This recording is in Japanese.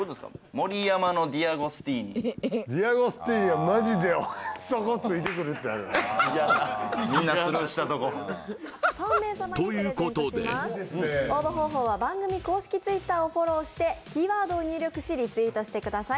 「盛山のディアゴスティーニ」ということで応募方法は番組公式Ｔｗｉｔｔｅｒをフォローしてキーワードを入力しリツイートしてください